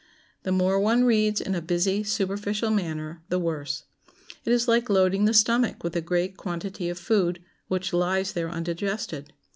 The more one reads in a busy, superficial manner, the worse. It is like loading the stomach with a great quantity of food, which lies there undigested.